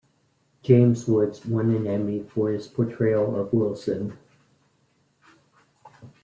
James Woods won an Emmy for his portrayal of Wilson.